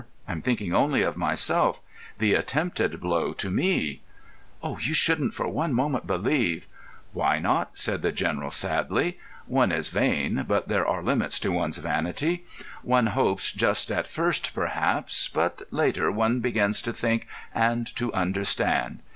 I'm thinking only of myself—the attempted blow to me." "You shouldn't for one moment believe——" "Why not?" said the General, sadly. "One is vain, but there are limits to one's vanity. One hopes just at first, perhaps—but later one begins to think and to understand.